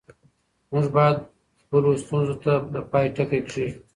موږ باید خپلو ستونزو ته د پای ټکی کېږدو.